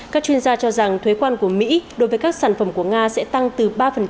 các chuyên gia cho rằng thuế quan của mỹ đối với các sản phẩm của nga sẽ tăng từ ba